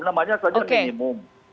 namanya saja minimum